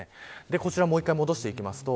こちら、もう一回戻していきますと